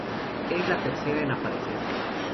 Es la tercera en aparecer.